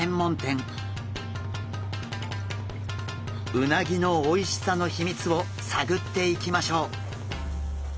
うなぎのおいしさの秘密を探っていきましょう！